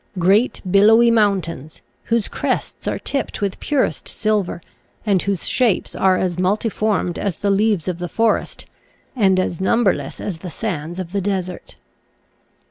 Great billowy mountains, whose crests are tipped with purest silver and whose shapes are as multiformed as the leaves of the forest and as numberless as the sands of the desert